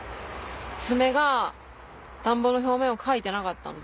爪が田んぼの表面をかいてなかったので。